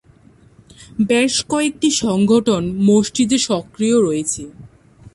বেশ কয়েকটি সংগঠন মসজিদে সক্রিয় রয়েছে।